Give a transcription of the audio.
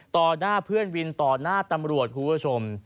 หน้าเพื่อนวินต่อหน้าตำรวจคุณผู้ชม